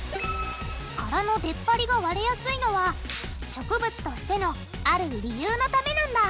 殻のでっぱりが割れやすいのは植物としてのある理由のためなんだ。